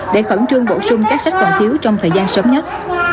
để khẩn trương bổ sung các sách còn thiếu trong thời gian sớm nhất